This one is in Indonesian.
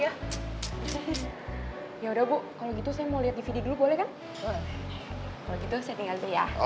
ya udah bu kalau gitu saya mau lihat dvd dulu boleh kan